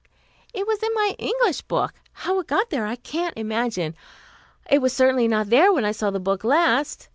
"It was in my English book. How it got there I can't imagine. It was certainly not there when I saw the book last.